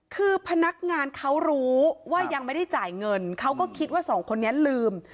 คือพนักงานเขารู้ว่ายังไม่ได้จ่ายเงินเขาก็คิดว่าสองคนนี้ลืม